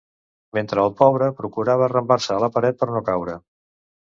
Mentre el pobre procurava arrambar-se a la paret per no caure